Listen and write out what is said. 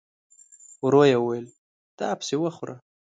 ورو يې وويل: دا پسې وخوره!